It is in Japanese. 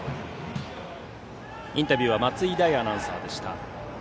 インタビューは松井大アナウンサーでした。